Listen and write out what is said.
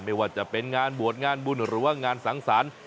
ไม่ว่าจะเป็นงานบวชงานบุญหรือว่างานสังสรรค์